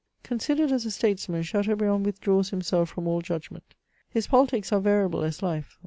Considered as a statesman, Chateaubriand withdraws himself from all judgment. His politics are variable as life.